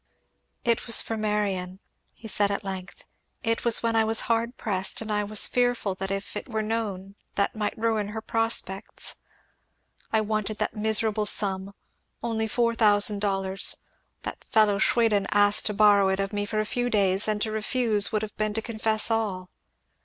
"It was for Marion," he said at length; "it was when I was hard pressed and I was fearful if it were known that it might ruin her prospects. I wanted that miserable sum only four thousand dollars that fellow Schwiden asked to borrow it of me for a few days, and to refuse would have been to confess all.